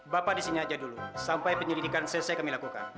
bapak di sini aja dulu sampai penyelidikan selesai kami lakukan